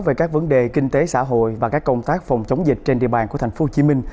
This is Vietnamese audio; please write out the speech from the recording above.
với các vấn đề kinh tế xã hội và các công tác phòng chống dịch trên địa bàn của tp hcm